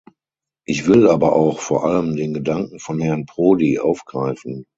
Ich will aber auch vor allem den Gedanken von Herrn Prodi aufgreifen.